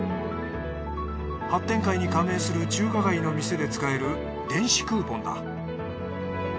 発展会に加盟する中華街の店で使える電子クーポンだ。